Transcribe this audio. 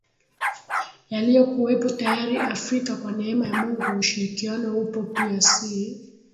yaliyokuwepo tayari Afrika Kwa neema ya Mungu ushirikiano upo pia si